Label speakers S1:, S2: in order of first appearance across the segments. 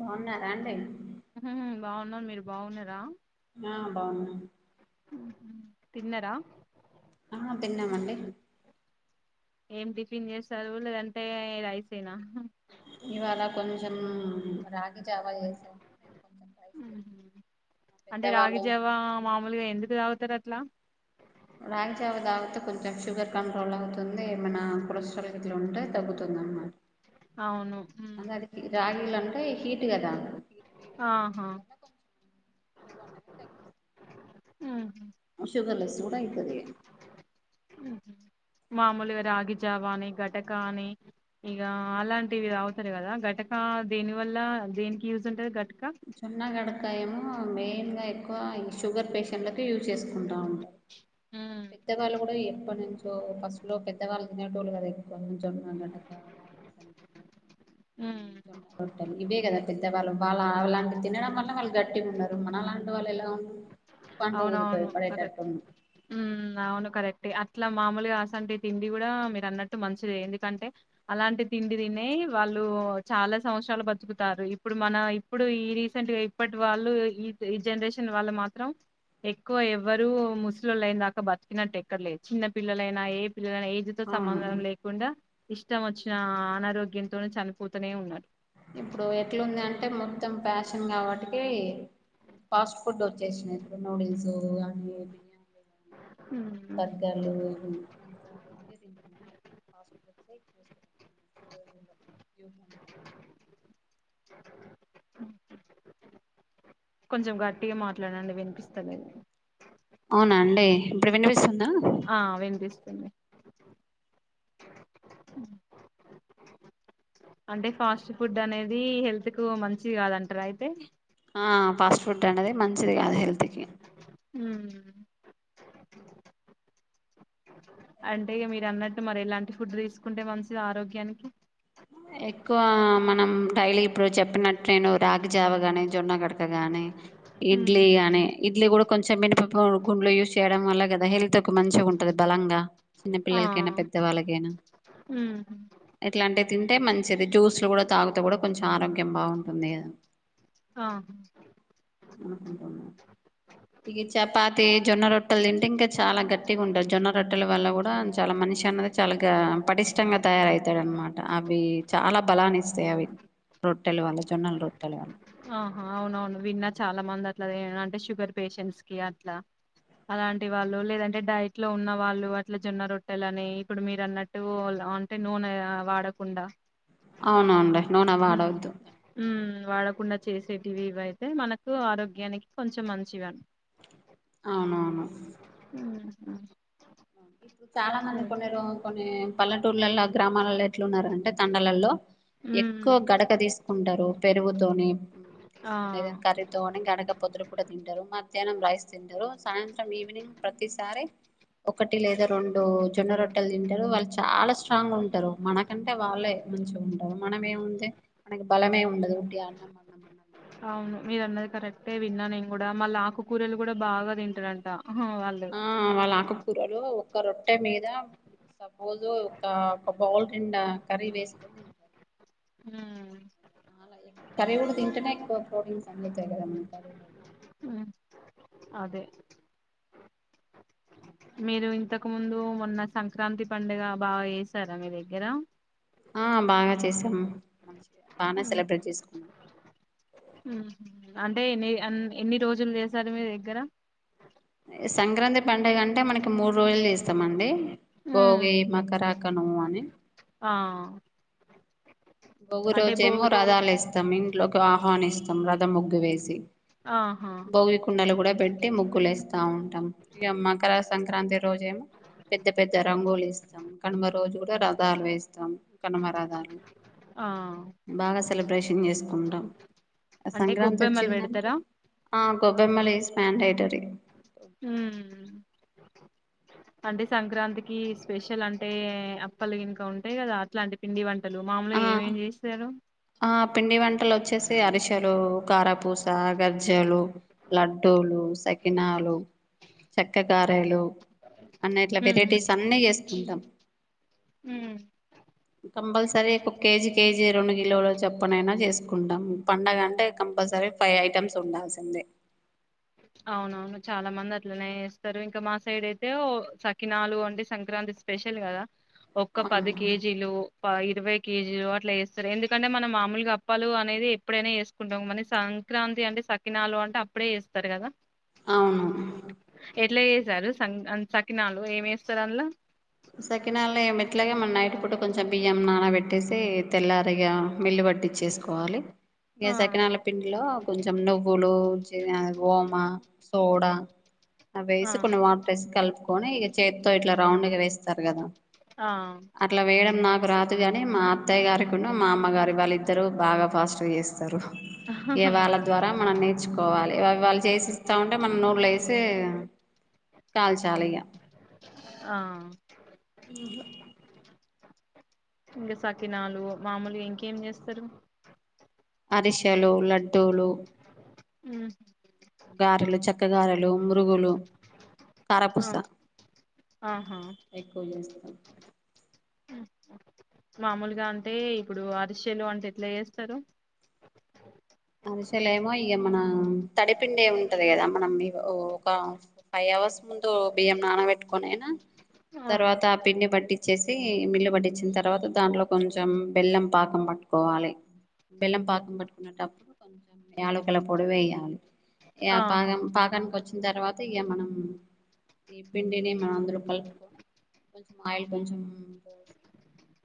S1: బాగున్నారా అండి
S2: బాగున్నా మీరు బాగున్నారా
S1: ఆ బాగున్నా
S2: తిన్నార
S1: ఆ తిన్నమండి
S2: ఏం టిఫిన్ చేసారు లేదంటే రైస్ ఏనా
S1: ఇవాళ కొంచెం రాగి జావా చేస
S2: అంటే
S1: పెద్దవాళ్ళు
S2: రాగిజావా మామూలుగా ఎందుకు తాగుతారు అట్లా
S1: రాగిజావా తాగితే కొంచెం షుగర్ కంట్రోల్ అవుతుంది ఏమైనా కొలెస్ట్రాల్ ఇట్లా ఉంటే తగ్గుతుంది
S2: అవును
S1: అ
S2: ఉమ్.
S1: అది రాగిలు అంటే హీట్ గదా అ వేడిగా
S2: ఆహా
S1: వేడిగా కొంచెం [inaudible]
S2: ఉహు.
S1: షుగర్ లెస్ కూడా అయితది
S2: మామూలుగా రాగిజవాని గట్ టకా అని ఇగ అలాంటివి తావుతారు కదా గటకా దేని వల్ దేనికి యూజ్ ఉంటది గ
S1: సన్న గడకాయేమో మెయిన్ గా ఎక్కువ ఈ షుగర్ పేషెంట్ లకు యూజ్ చేసుకుంటం ఉంట కానీ
S2: ఉమ్.
S1: పెద్దగాళ్ళు కూడా ఎప్పటి నుంచో లొ ఫస్ట్ లో పెద్దవాళ్ళు తినేటో ళ్ళు కదా ఎక్కువ కొంచెం అ
S2: ఉమ్.
S1: ఇవే కదా పెద్దవాళ్ళు వాళ్ళ అవ్ ల వా తినడం వల్ల వాళ్ళు గట్టిగున్నారు మన లాంటి వాళ్ళు ఎలా వుం
S2: అవునవును అదే ఉమ్ అవును కరెక్ట్ అట్లా మామూలుగా అసంటి తిండి కూడా మీరు అన్నట్టు మంచిది ఎందుకంటే అలాంటి తిండి తినే వాళ్ళు చాలా సంవత్సరాలు బతుకుతారు ఇప్పుడు మన ఇప్పుడు ఈ రీసెంట్ గా ఇప్పటి వాళ్ళు ఈ ఈ జనరేషన్ వాళ్ళ మాత్రం ఎక్కువ ఎవ్వరు ముస్లోళ్లు అయిన దాకా బతికినట్టు ఎక్కడలేరు చిన్న పిల్లలైనా ఏ పిల్లలు అయినా ఏజ్ తో
S1: అవును
S2: సంబంధం లేకుండా ఇష్టం మొచ్చిన అనారోగ్యంతోనే చనిపోతనే ఉన్నారు
S1: ఇప్పుడు ఎట్లుంది అంటే మొత్తం ఫ్యాషన్ కాబట్టి కి ఫాస్ట్ ఫుడ్ వచ్చేసినై ఇప్పుడు నూడిల్స్ అవ్వి బిర్యాని
S2: హ్మ్.
S1: బర్గర్ లు యూత్ అంతా
S2: కొంచెం
S1: ఈ
S2: గట్టిగా మాట్లాడండి వినిపిస్తలేదు
S1: అవునా అండి ఇప్పుడు వినిపిస్తుందా
S2: ఆ వినిపిస్తుంది అంటే ఫాస్ట్ ఫుడ్ అనేది హెల్త్ కు మంచిది కాదంటార అయితే
S1: ఆ ఫాస్ట్ ఫుడ్ అనేది మంచిది కాదు హెల్త్ కి
S2: మ్ హు అంటే ఇగ మీరన్నట్టు మరి ఎలాంటి ఫుడ్ తీసుకుంటే మంచిది ఆరోగ్యానికి
S1: ఎక్కువ మనం డైలీ ఇప్పుడు చెప్పినట్టు నేను రాగి జావగాని జొన్న కడుక గానీ ఇడ్లీ
S2: ఉమ్
S1: గాని ఇడ్లీ కూడా కొంచెం మినపప్పు గుండ్లు యూస్ చేయడం వల్ల కదా హెల్త్ కి మంచిగా ఉంటది బలంగా
S2: ఆ
S1: చిన్నపిల్లలకైనా పెద్దవాళ్ళకైనా
S2: ఉమ్
S1: ఎట్లాంటే అంటే మంచిది జ్యూస్లు కూడా తాగుతె కూడా కొంచెం ఆరోగ్యం బాగుంటుంది కదా
S2: అవును
S1: ఇగ చపాతి జొన్న రొట్టేల్ తింటే చాలా గట్టిగా ఉంటద్ జొన్న రొట్టెల వల్ల కూడా చాల మనిషి అనేది చాలా ఇగ పటిష్టంగా తయారయితాడ్ అనమా టా అవి చాలా బలాన్ని ఇస్తాయి అవి రొట్టెల వల్ల జొన్నలు రొట్టెల వల్ల
S2: ఆహా అవునవును విన్నా చాలా మంది అట్లా అంటే షుగర్ పేషెంట్స్ కి అట్లా అలాంటి వాళ్ళు లేదంటే డైట్ లో ఉన్న వాళ్ళు అట్ల జొన్న రొట్టెలు అని ఇప్పుడు మీరు అన్నట్టు అంటే నూనె ఆ వాడకుండా
S1: అవునాండి
S2: మ్ మ్ వాడకుండా చేసేటివి ఇవైతే మనకు ఆరోగ్యానికి కొంచెం మంచివి అన్
S1: అవునవును చాలా మంది కొన్ని రో కొన్ని పల్లెటూర్లలో గ్రామాలలో ఎట్లున్నారంటే తండలల్లో
S2: ఉమ్
S1: ఎక్కువ గడక తీసుకుంటారు పెరుగుతోని
S2: ఆ
S1: తీసుకునేద కర్రీతో ని గడుక పోదునా పూట తింటారు మధ్యాహ్నం రాయిస్ తింటారు సాయంత్రం ఈవనింగ్ ప్రతిసారి ఒకటి లేదా రెండు జొన్న రొట్టలు తింటారు వాళ్ చాలా స్ట్రాంగ్ ఉంటారు మనకంటే వాళ్ళే మంచిగా ఉంటారు మనం ఏముంది మనకి బలమే ఉండదు ఉట్టిగాన్నాం
S2: అవును మీరు అన్నది కరెక్టే విన్నా నేను కూడా మల్ల ఆకుకూరలు కూడా బాగా తింటారంట ఆహా, వాళ్ళు
S1: ఆ వాళ్ళు ఆకుకూరలు ఒక్క రొట్టె మీద సపోజ్ ఒక ఒక బౌల్ నిండా కర్రీ వేసుకొని తింటారు.
S2: ఉమ్.
S1: ఇట్లనే ఎక్కువ ప్రోటీన్స్ అందుతాయి కదా.
S2: ఉమ్, అదే. మీరు ఇంతకు ముందు మొన్న సంక్రాంతి పండుగ బాగా ఏసారా మీ దగ్గర
S1: ఆ బాగ్నే చేసామ్ మంచిగా బానే
S2: ఉమ్,
S1: సెలబ్రేట్ చేస్కున్నాం
S2: అంటే ఎన్ని అన్ ఎన్ని రోజులు చేసారు మీ దగ్గర
S1: సంక్రాంతి పండుగ అంటే మనకి మూడు రోజులు చేస్తామండి
S2: ఉమ్,
S1: భోగి మాక్కరాకము అని.
S2: ఆ
S1: భొగీ
S2: అంటే బో
S1: రోజేమో రధాలు ఏస్తాం ఇంట్లోకి ఆహ్వానిస్తాం రధం ముగ్గు వేసి.
S2: ఆహ్.
S1: భోగి కుండలు కూడా పెట్టి ముగ్గులు ఏస్తా ఉంటాం ఇగా మకర సంక్రాంతి రోజేమో. పెద్ద పెద్ద రంగులు ఏస్తాం కనుమ రోజు కూడా రధాలు ఏస్తాం కనుమ రథలు.
S2: ఆ
S1: బాగా సెలబ్రేషన్ చేస్కుంటాం.
S2: అంటే
S1: సంక్రాంతి
S2: కొబ్బెమ్మలు
S1: ఓచ్చిందంటే
S2: పెడతారా
S1: ఆహ్ గోబ్బేమ్మాలేసి [unintelligible]
S2: ఊమ్. అంటే సంక్రాంతికి స్పెషల్ అంటే అప్పలు ఇంకా ఉంటాయి కదా అట్లాంటి పిండి వంట. తలు మామూలుగా
S1: ఆ
S2: ఏమేం చేస్తారు.
S1: ఆ పిండి వంటలు వచ్చేసి అరిసెలు కారపూస గజ్జలు లడ్డూలు సకినాలు. చెక్క గారెలు. అన్న ఇట్లా
S2: ఉమ్
S1: వెరైటీస్ అన్నీ చేస్కుంటాం.
S2: హ్మ్
S1: కంపల్సరీ ఒక కేజీ కేజీ రెండు కిలోలు చప్పనైనా చేస్కుంటాం పండగ అంటే కంపల్సరీ. ఫైవ్ ఐటమ్స్ ఉండాల్సిందే.
S2: అవునవును చాలా మంది అట్లనే చేస్తారు ఇంకా మా సైడ్ అయితే ఓ సకినాలు అంటే సంక్రాంతి. ఈరోజ్ స్పెషల్ కదా ఒక
S1: అవును
S2: పది కేజీలు ప ఇర్వాయి. కేజీలు అట్లా ఏస్తారు ఎందుకంటే మనం మాముల్గా అప్పాలు అనేది ఎప్పుడైనా ఏస్కుంటాం మల్లీ సంక్రాంతి అంటే. సకినాలు అంటే అప్పుడే చేస్.
S1: అవును.
S2: ఎట్లా ఏసారు సన్కి ఆన్ సకినాలు ఏం ఏస్తారు అంద్లా.
S1: సకినాలు ఏమ్ ఇట్లాగే మన్ నైట్ పుట్టు కొంచెం బియ్యం నానబెట్టేస్తే తెల్లారిగా మిల్లి. పట్టించేస్కోవాలి. ఇగ
S2: ఆ
S1: సకినాల పిండిలో కొంచెం నువ్వులు చే ఓమ. సోడా
S2: ఆ
S1: అవేసి కొన్ని వాటర్ ఏసి కలుపుకొని ఇగ చేత్తో ఇట్లా రౌండ్ గా వేస్త్. కదా
S2: ఆ
S1: అట్లా వేయడం నాకు. రాదు కాని మా అత్తయ్య గారి కూను మా అమ్మగారి వాళ్ళిద్దరు బాగా ఫాస్ట్ గా చేస్తారు. ఇగ వాళ్ళ ద్వారా మనం నేర్చుకోవాలి. వాళ్ళు చేసిస్స్త ఉంటే మనం నూళ్లో వేసి కాల్చాలి ఇగా.
S2: ఆహ్.
S1: ఉమ్.
S2: ఇంకా సకినాలు మాముల్గా ఇంకేం చేస్తారు.
S1: అరిషాలు లడ్డూలు.
S2: ఊమ్.
S1: గారెలు చెక్క గారెలు మురుగులు కారపూస.
S2: ఆహా
S1: ఎక్కువ చేస్తారు.
S2: మామూల్గా అంటే ఇప్పుడు అరిశెలు అంటే ఏట్లా చేస్తారు.
S1: అరిసల్ ఏమో ఇగ మన. ముందు బియ్యం నానవేట్టుకొనైనా తర్వాత ఆ పిండి పట్టించి. వచ్చేసి మిల్లు పట్టించిన తర్వాత దాంట్లో కొంచెం బెల్లం పాకం పట్టుకోవాలే. బెల్లం పాకం పట్టుకునేటప్పుడు. యాలకులపొడి వేయాలి య
S2: ఆహా
S1: పాకం పాకానికి ఓచ్చిన. తర్వాత ఇగ మనం ఈ పిండిని మనం అందరం కల్ కొంచం ఆయిల్ కొంచెం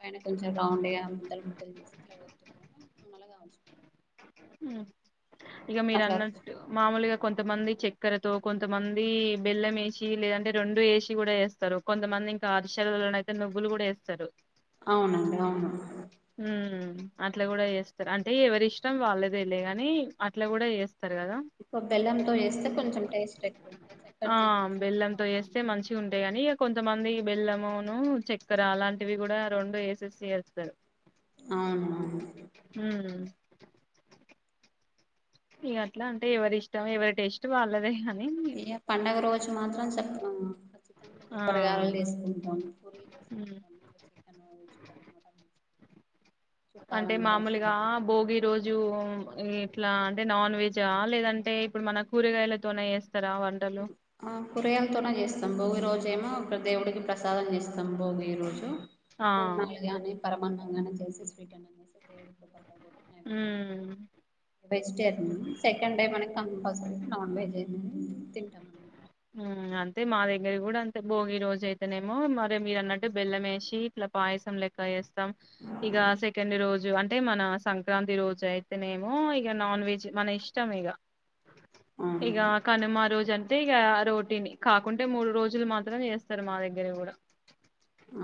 S1: పైన కొంచెం రౌండ్గా ముద్దలు ముద్దలు చేసి [unintelligible]
S2: ఇగ మీరు
S1: అట్లా
S2: అన్నట్టు మామూలుగా. కొంతమంది చక్కెరతో కొంతమంది బెల్లం యెసి లేదంటే రెండు యెసి కూడా చేస్తారు కొంతమంది. ఇంకా అరిసెలల్లో అయితే నువ్వులు కూడా యెస్తారు.
S1: అవునండి అవును
S2: ఉ అట్లా కూడా చేస్తారు అంటే ఎవరి ఇష్టం వాళ్ళేదె లె గాని అట్లా కూడా చేస్త చెస్తారు గదా
S1: ఎక్కువ బెల్లంతో చేస్తే కొంచెం టేస్ట్ ఎక్కువ ఉంటాయి
S2: ఆ
S1: చక్కెరతో చేస్తే కూడా
S2: బెల్లంతో
S1: బాగానే
S2: చెస్తే
S1: ఉంటుంది
S2: మంచిగ ఉంటాయి ఆని కొంతమంది బెల్లమును చక్కెర అలాంటివి గుడా రెండు వేసేసి చేస్తారు
S1: అవును అవును
S2: ఉమ్ ఇక అట్లా అంటే ఎవరి ఇష్టం ఎవరి టేస్ట్ వాళ్లదే ఆని
S1: ఎ పండగ రోజు మాత్రం చెప్పవనమాట మొత్తం
S2: ఆ
S1: బొబ్పరగాయలు చెసుకుంటాము పూరీలు చెసుకుంటాము చికెన్
S2: అంటే
S1: చుట్టాలందరూ
S2: మామూలుగా
S1: వస్తారు
S2: భోగి రోజు రోజు ఇట్లా అంటే నాన్ వెజా లేదంటే ఇప్పుడు మన కూరగాయలతోనే చేస్తారా వంటలు
S1: ఆ కూరయలతోనే చేస్తా స్తం భోగి రోజెమో ఒక దేవుడికి ప్రసాదం చేస్తాం భోగి ఈ రోజు
S2: ఆ
S1: పూర్ణాలుగాని పరమాన్నాం గాని చేసి స్వీట్ అన్నం చేసి
S2: ఉమ్
S1: వెజిటేరియన్ సెకండ్ డే మనం కంపల్సరరిగా నాన్వెజ్ అయిన తింటాం అండి
S2: ఉమ్ అంతే మా దగ్గర కూడా అంతే భోగి రోజు అయితేనేమో మరి మీరు అన్నట్టు బెల్లం వేసి ఇట్లా పాయసం లెక్క చెస్తాం ఇగ సెకండ్ రోజు అం టే మన సంక్రాంతి రోజు అయితేనేమో ఇక నాన్ వెజ్ మన ఇష్టం ఇగ ఇగ
S1: అవును
S2: కనుమ రోజ అంతే ఇగ రోటీని కాకుంటే మూడు రోజులు మాత్రం చేస్తారు మా దగ్గర గుడా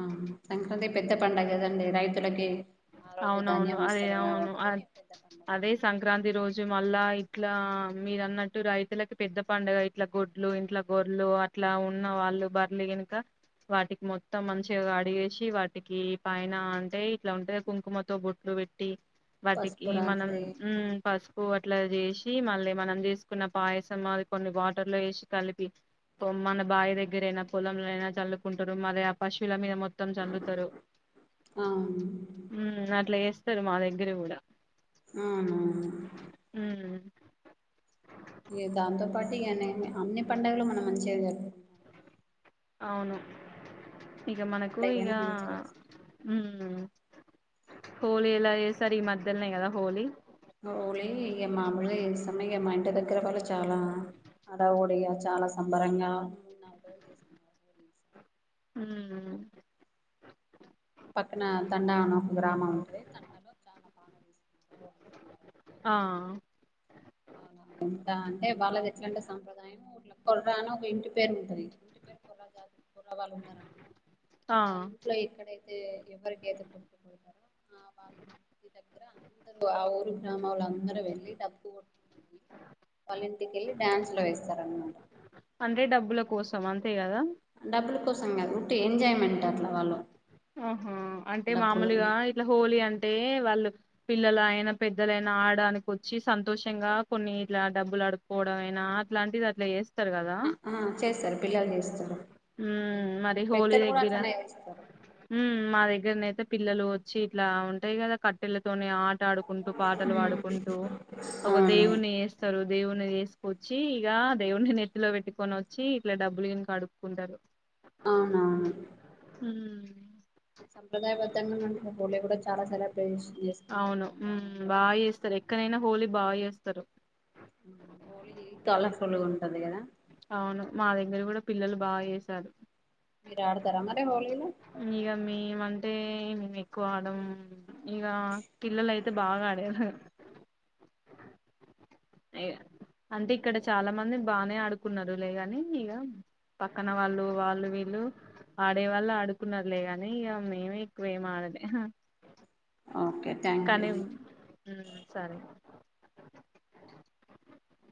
S1: ఆ సంక్రాంతి పెద్ద పండుగ కదండి రైతులకి ఆ రోజు
S2: అవునవును
S1: ధాన్యం
S2: అదే
S1: వస్తది
S2: అవును
S1: కాబట్టికి పెద్ద పండగ
S2: అదే సంక్రాంతి రోజు మళ్ళా ఇట్లా మీరు అన్నట్టు రైతులకు పెద్ద పండుగ ఇట్ల గొడ్లు ఇంట్ల గోర్లు అట్లా ఉన్న వా ళ్లు బర్లి గనకా వాటికి మొత్తం మంచిగా గడిగేసి వాటికి పైన అంటే ఇట్లా ఉంటే కుంకుమతో బొట్లు పెట్టి వాటికి
S1: పసుపు
S2: మనం
S1: రాసి
S2: ఉ పసుపు అట్లా జెసి మళ్ళీ మనం చేసుకున్న పాయసం అది కొన్ని వాటర్ లో వేసి కలిపి పొమన బాయ దగ్గరఅయినా పొలంలో అయినా చల్లుకుంటురు మరి ఆ పశువుల మీద మొత్ మొత్తం చల్లుతారు
S1: అవును
S2: ఉ అట్లా చేస్తారు మా దగ్గర గుడా
S1: ఆ ఆవునవును
S2: ఉమ్
S1: దాంతో పాటు ఇగ అన్ని అన్ని పండుగలు మనం మంచిగా జరుపుకుంటాం
S2: అవును
S1: ఉగాది గాని
S2: ఇగ
S1: ఏ
S2: మనకు ఇగ
S1: పండగైనా మంచిగా చేసుకుంటాం
S2: ఉ హోళి ఎలా చేసారు ఈ మధ్యల్నే కదా హోళి
S1: హోలీ ఇగ మాములుగా చేస్తాం ఇగ మా ఇంటి దగ్గర వాళ్లు చాలా హడావిడిగా చాలా సంబరంగా ఈసారి.
S2: ఉమ్
S1: పక్కన తండా అని ఒక గ్రామం ఉంటది తండాలో చాలా బాగా చేసుకుంటారు హోలీ
S2: ఆ
S1: అవునవును అంటే వాళ్ళది ఎట్లాంటె సాప్రదాయం కుర్రా అని ఒక ఇంటి పేరు ఉంటంది ఇంటి పేరు [unintelligible] వాళ్ళు ఉన్నార అనుకో
S2: ఆ
S1: వాళ్ళ ఇంట్లో ఎక్కడై [unintelligible] ఎవ్వర్కైతె కొడుకుల్ బుడ్తరో ఆ వాళ్ళింటి దగ్గర్ అందరు ఆ ఊరు గ్రామలు అందరుూ వెళ్ళి డప్పులు కొ వాల్ల ఇంటికి వెళ్ళి డ్యాన్స్లు వెస్తారు అనమాట
S2: అంటె డబ్బుల కోసం అంతే కదా
S1: ఈగా అంతే ఎంజయ్మెంట్ అట్లా వాళ్లకు
S2: ఆహా అంటే మామూల్గా ఇట్లా హోలీ అంటే టే వాళ్ళు పిల్లలైనా పెద్దలైనా ఆడడానికోచ్చి సంతోషంగా కొన్ని ఇలా డబ్బులు కడుకోవడైనా అలాంటిది అట్లా చేస్
S1: ఆ ఆ చేస్తారు పిల్లలు చేస్తారు
S2: ఉమ్ మరి
S1: పెద్దలు కూడా అట్లానే చేస్తురు
S2: ఉహ్ మా దగ్గరనైతే పిల్లలు ఓచ్చి ఇట్లా ఉంటాయి కదా కట్టెలతోని ఆ ఆడుకుంటూ పాటలు
S1: ఉమ్.
S2: వాడుకుంటూ ఒక
S1: అవును
S2: దేవుని చేస్తారు దేవుణ్ని చేసుకొచ్చి ఇక దేవుణ్ణి నెత్తిలో పెట్టుకొని ఓచ్చి ఇట్లా డబ్బులు గిట్లా అడుక్కుంటారు
S1: ఆహా
S2: ఉహ్
S1: సంప్రదాయ బద్దంగా ఉపోళే కూడా చాలా సేరలర్బేషన్ చేసుకుంటారు మా గ్రామంలో
S2: ఎక్కనేనా హోలీ ఇస్తారు
S1: హోలీ కలర్ఫుల్ గుం
S2: అవును మా దగ్గర కూడా పిల్లలు బాగా చేస్తారు
S1: మీరు ఆడతారా మరి హోలీలో
S2: ఇక మేమంటే ఎక్కువ ఆడం ఇగ పిల్లలైతే బాగా ఆడేదాన్ని అంటే ఇక్కడ చాలామంది బానే ఆడతారు కున్నారు లే కానీ ఇగా పక్కన వాళ్ళు వాళ్ళు వీళ్ళు ఆడే వాళ్ళు ఆడుతున్నారు లే కానీ ఇగ మేమేక్కువ ఏమి ఆడం
S1: ఓకే థ్యాంక్ యూ
S2: కానీ ఉహ్ సరే